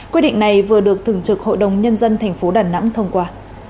quyết định này vừa được thường trực hội đồng nhân dân thành phố đà nẵng thông qua